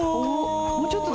もうちょっとだ。